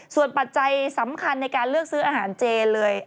ส่วนปัจจัยสำคัญในการเลือกซื้ออาหารเจเลย